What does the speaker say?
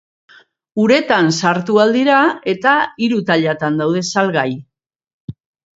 Uretan sartu ahal dira eta hiru tailatan daude salgai.